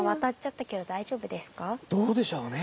どうでしょうね？